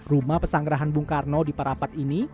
rumah pesanggerahan bung karno di parapat ini